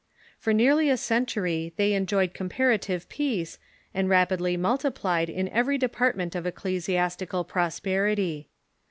For nearly a century they enjoyed comparative peace, and rapidly multiplied in every department of ecclesiastical prosperity.